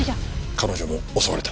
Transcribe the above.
彼女も襲われた。